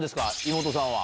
妹さんは。